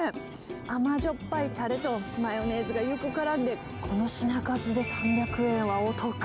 甘じょっぱいたれと、マヨネーズがよくからんで、この品数で３００円はお得。